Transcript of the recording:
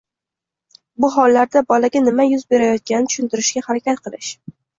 Bu hollarda bolaga nima yuz berayotganini tushuntirishga harakat qilish